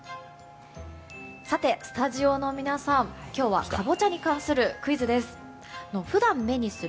スタジオの皆さん、今日はカボチャに関するクイズです。